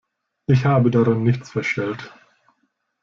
Ich habe daran nichts verstellt.